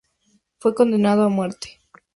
Fue condenado a muerte.